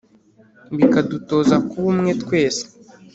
bikadutoza kuba umwe twese,